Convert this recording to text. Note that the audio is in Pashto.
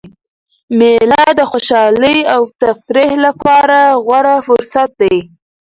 مېله د خوشحالۍ او تفریح له پاره غوره فرصت دئ.